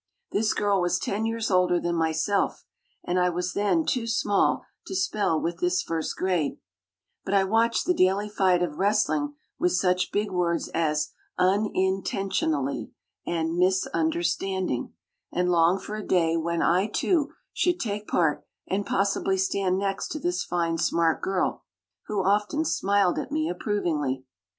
This girl was ten years older than myself, and I was then too small to spell with this first grade, but I watched the daily fight of wrestling with such big words as "un in ten tion al ly" and "mis un der stand ing," and longed for a day when I, too, should take part and possibly stand next to this fine, smart girl, who often smiled at me approvingly.